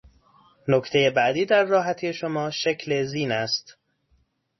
نکته بعدی در راحتی شما، شکل زین است.